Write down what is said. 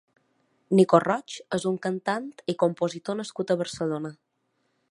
Nico Roig és un cantant i compositor nascut a Barcelona.